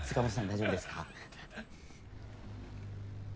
大丈夫ですか？